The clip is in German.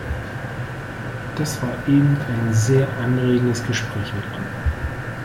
Das war eben ein sehr anregendes Gespräch mit Anne.